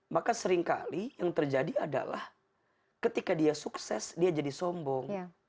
maka seringkali yang terjadi adalah ketika dia sukses dia jadi sombong